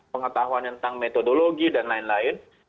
pengetahuan tentang metodologi dan lain lain